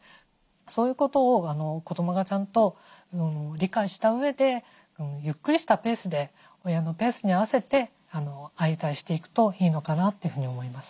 そういうことを子どもがちゃんと理解したうえでゆっくりしたペースで親のペースに合わせて相対していくといいのかなというふうに思います。